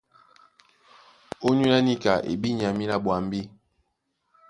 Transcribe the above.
ÓnyÓlá níka e bí nya mǐlá ɓwambí?